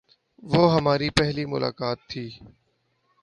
وہ ہماری پہلی ملاقات تھی۔